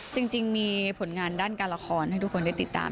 จริงมีผลงานด้านการละครให้ทุกคนได้ติดตาม